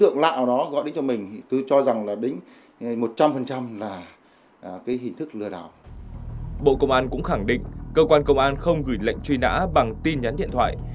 bộ công an cũng khẳng định cơ quan công an không gửi lệnh truy nã bằng tin nhắn điện thoại